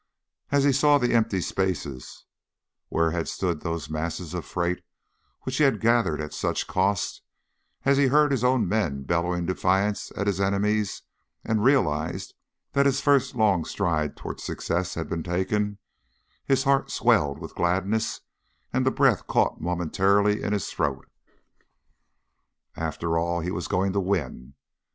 As he saw the empty spaces where had stood those masses of freight which he had gathered at such cost, as he heard his own men bellowing defiance at his enemies and realized that his first long stride toward success had been taken, his heart swelled with gladness and the breath caught momentarily in his throat. After all, he was going to win!